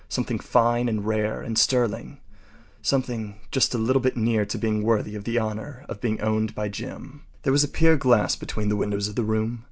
Something fine and rare and sterling—something just a little bit near to being worthy of the honor of being owned by Jim. There was a pier glass between the windows of the room.